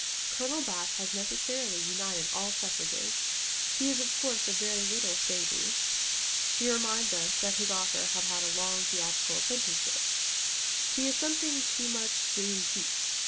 Colonel Bath has necessarily united all suffrages. He is of course a very little stagey; he reminds us that his author had had a long theatrical apprenticeship: he is something too much d'une piece.